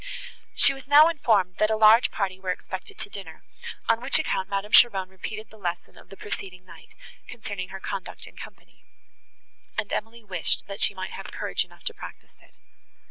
She was now informed, that a large party were expected to dinner, on which account Madame Cheron repeated the lesson of the preceding night, concerning her conduct in company, and Emily wished that she might have courage enough to practise it.